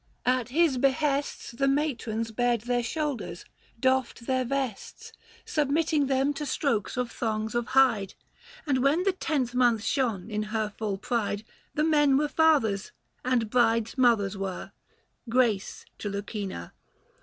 At his behests The matrons bared their shoulders, doffed their vests, Submitting them to strokes of thongs of hide ; And when the tenth month shone in her full pride 465 The men were fathers, and brides mothers were, Grace to Lucina.